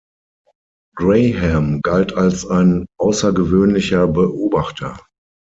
Graham galt als ein außergewöhnlicher Beobachter.